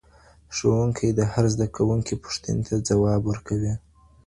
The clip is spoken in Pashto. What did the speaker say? ښوونکی د هر زدهکوونکي پوښتنې ته ځواب ورکوي.